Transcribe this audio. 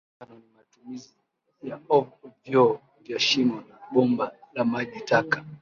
Mfano ni matumizi ya vyoo vya shimo na bomba la maji taka